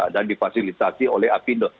dan difasilitasi oleh apindo